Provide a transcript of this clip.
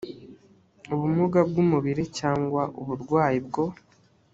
ubumuga bw umubiri cyangwa uburwayi bwo